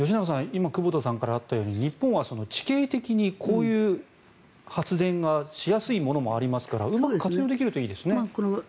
今、久保田さんからあったように日本は地形的に、こういう発電がしやすいものがありますからうまく活用できるといいですね。